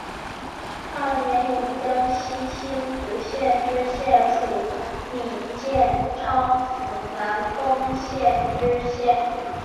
二年以江西星子县知县署理建昌府南丰县知县。